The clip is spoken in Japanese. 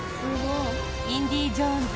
インディ・ジョーンズ